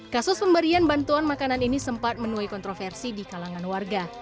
kasus pemberian bantuan makanan ini sempat menuai kontroversi di kalangan warga